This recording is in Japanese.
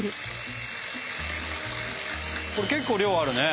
これ結構量あるね。